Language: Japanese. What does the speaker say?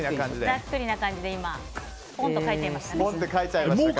ざっくりな感じで今ポンと書いちゃいました。